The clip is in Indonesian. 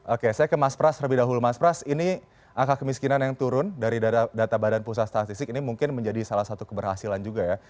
oke saya ke mas pras terlebih dahulu mas pras ini angka kemiskinan yang turun dari data badan pusat statistik ini mungkin menjadi salah satu keberhasilan juga ya